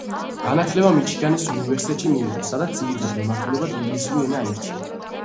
განათლება მიჩიგანის უნივერსიტეტში მიიღო, სადაც ძირითად მიმართულებად ინგლისური ენა აირჩია.